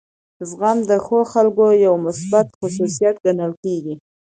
زغم د ښو خلکو یو مثبت خصوصیت ګڼل کیږي.